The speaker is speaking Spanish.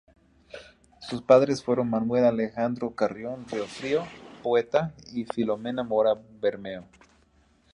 Sus padres fueron Manuel Alejandro Carrión Riofrío, poeta, y Filomena Mora Bermeo.